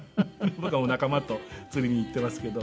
僕はもう仲間と釣りに行っていますけど。